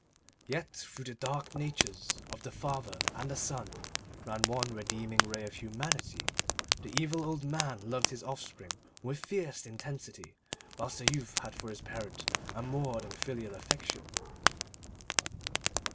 Yet through the dark natures of the father and the son ran one redeeming ray of humanity; the evil old man loved his offspring with fierce intensity, whilst the youth had for his parent a more than filial affection.